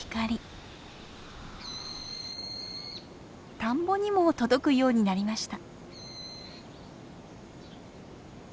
田んぼにも届くようになりました。